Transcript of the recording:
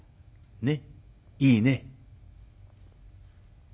ねっいいね？」。